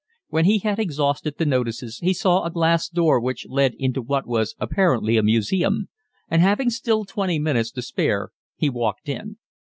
When he had exhausted the notices he saw a glass door which led into what was apparently a museum, and having still twenty minutes to spare he walked in.